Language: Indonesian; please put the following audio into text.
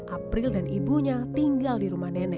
april dan ibunya tinggal di kabupaten banjar